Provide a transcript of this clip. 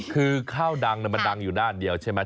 คือข้าวดังมันดังอยู่ด้านเดียวใช่ไหม